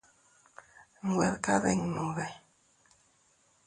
Güed kadinnudi.